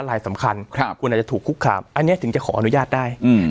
ลายสำคัญคุณอาจจะถูกคุกคามอันนี้ถึงจะขออนุญาตได้